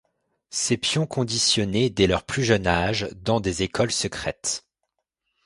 Ces pions conditionnées dès leur plus jeune âge dans des écoles secrètes.